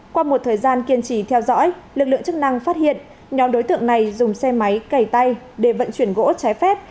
qua một thời gian kiên trì theo dõi lực lượng chức năng phát hiện nhóm đối tượng này dùng xe máy cầy tay để vận chuyển gỗ trái phép